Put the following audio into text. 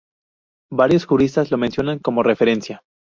Varios juristas lo mencionan como referencia.